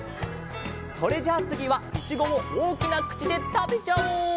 それじゃあつぎはいちごをおおきなくちでたべちゃおう！